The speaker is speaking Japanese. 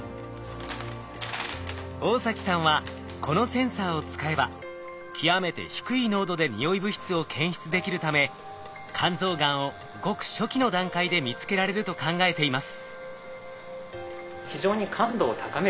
大崎さんはこのセンサーを使えば極めて低い濃度でにおい物質を検出できるため肝臓がんをごく初期の段階で見つけられると考えています。